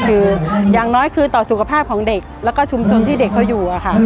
คืออย่างน้อยคือต่อสุขภาพของเด็กแล้วก็ชุมชนที่เด็กเขาอยู่อะค่ะ